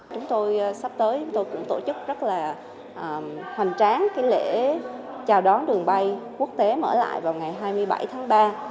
chúng tôi sắp tới chúng tôi cũng tổ chức rất là hoành tráng lễ chào đón đường bay quốc tế mở lại vào ngày hai mươi bảy tháng ba